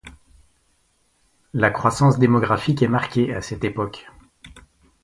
La croissance démographique est marquée à cette époque.